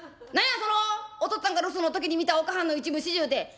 何やそのおとっつぁんが留守の時に見たお母はんの一部始終て。